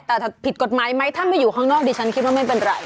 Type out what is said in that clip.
แต่ผิดกฎหมายไหมถ้าไม่อยู่ข้างนอกดิฉันคิดว่าไม่เป็นไร